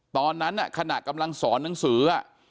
ตอนนั้นขณะกำลังสอนหนังสือ